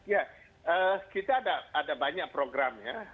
ya kita ada banyak program ya